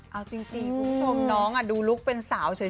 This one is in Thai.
เอาจริงคุณผู้ชมน้องดูลุคเป็นสาวเฉย